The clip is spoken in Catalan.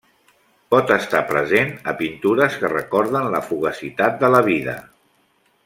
Pot estar present a pintures que recorden la fugacitat de la vida.